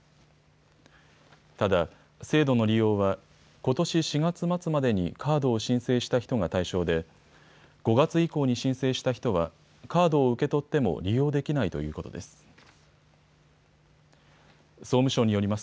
ただ制度の利用はことし４月末までにカードを申請した人が対象で５月以降に申請した人はカードを受け取っても利用できないということです。。